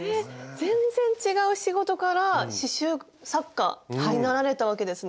全然違う仕事から刺しゅう作家になられたわけですね。